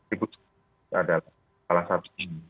ibu saya adalah salah satu